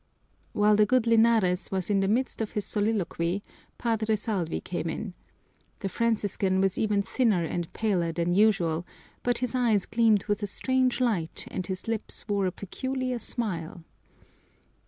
While the good Linares was in the midst of his soliloquy, Padre Salvi came in. The Franciscan was even thinner and paler than usual, but his eyes gleamed with a strange light and his lips wore a peculiar smile.